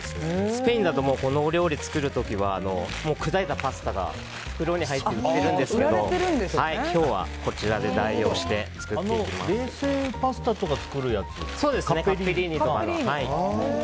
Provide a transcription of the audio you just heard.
スペインだとこのお料理を作る時は砕いたパスタが袋に入って売ってるんですけれども今日は、こちらで代用して冷製パスタとか作るやつ？